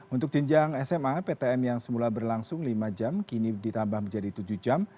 untuk jenjang sma ptm yang semula berlangsung lima jam kini ditambah menjadi tujuh jam